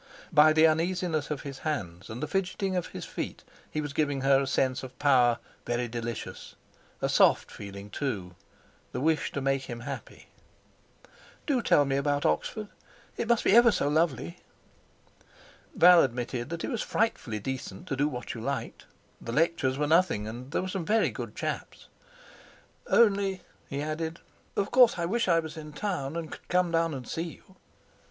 By the uneasiness of his hands and the fidgeting of his feet he was giving her a sense of power very delicious; a soft feeling too—the wish to make him happy. "Do tell me about Oxford. It must be ever so lovely." Val admitted that it was frightfully decent to do what you liked; the lectures were nothing; and there were some very good chaps. "Only," he added, "of course I wish I was in town, and could come down and see you."